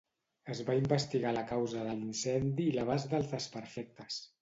Es va investigar la causa de l'incendi i l'abast dels desperfectes.